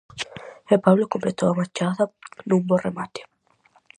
E Pablo completou a machada nun bo remate.